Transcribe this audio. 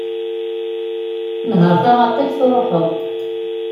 Nher taɣaṭ-ik, truḥeḍ.